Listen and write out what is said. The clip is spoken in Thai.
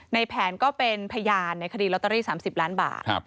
ในแผนก็เป็นพยานในคดีลอตเตอรี่๓๐ล้านบาท